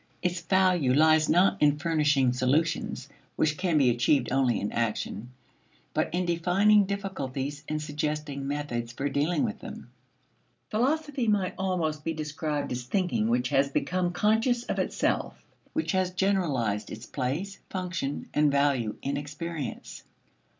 Its value lies not in furnishing solutions (which can be achieved only in action) but in defining difficulties and suggesting methods for dealing with them. Philosophy might almost be described as thinking which has become conscious of itself which has generalized its place, function, and value in experience.